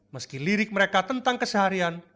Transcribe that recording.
meski lirik mereka tentang keseharian